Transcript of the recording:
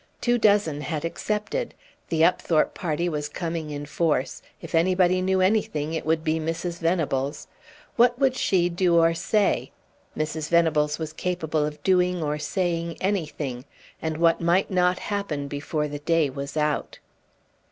Two dozen had accepted. The Upthorpe party was coming in force; if anybody knew anything, it would be Mrs. Venables. What would she do or say? Mrs. Venables was capable of doing or of saying anything. And what might not happen before the day was out?